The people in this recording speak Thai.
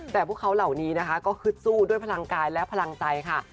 แต่พวกเขาเหล่านี้นะคะก็ฮึดสู้ด้วยพลังกายและพลังใจค่ะ